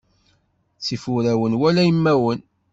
Ttif urawen wala imawen.